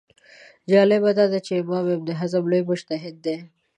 جالبه دا ده چې امام ابن حزم لوی مجتهد دی